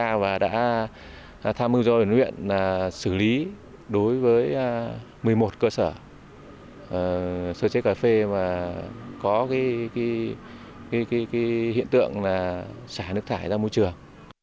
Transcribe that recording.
chúng ta tham mưu do huyện huyện xử lý đối với một mươi một cơ sở sơ chế cà phê có hiện tượng xả nước thải ra môi trường